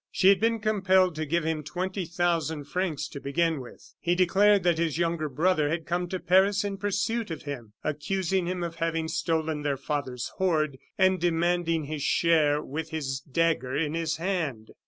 She had been compelled to give him twenty thousand francs, to begin with. He declared that his younger brother had come to Paris in pursuit of him, accusing him of having stolen their father's hoard, and demanding his share with his dagger in his hand.